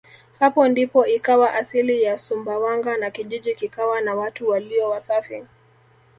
Hapo ndipo ikawa asili ya Sumbawanga na kijiji kikawa na watu walio wasafi